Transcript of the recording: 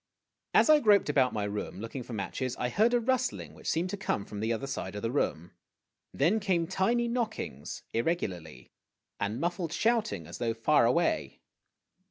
As I groped about my room, looking for matches, I heard a rustling which seemed to come from the other side of the room. Then came tiny knockings, irregularly, and muffled shouting, as though far away.